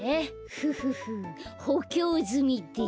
フフフほきょうずみです。